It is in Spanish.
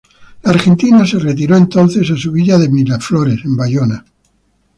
La Argentina se retiró entonces a su villa de Miraflores, en Bayona.